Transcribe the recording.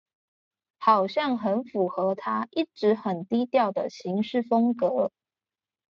好像很符合他一直很低調的行事風格